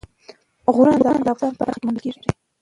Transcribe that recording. غرونه د افغانستان په هره برخه کې موندل کېږي.